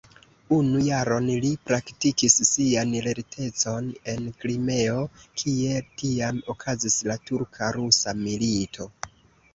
Unu jaron li praktikis sian lertecon en Krimeo, kie tiam okazis la turka-rusa milito.